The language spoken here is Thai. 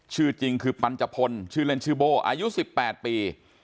ชื่อจริงคือปัญจพลชื่อเล่นชื่อโบ้อายุ๑๘ปี